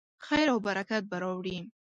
خیر او برکت به راوړي.